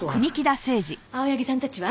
青柳さんたちは？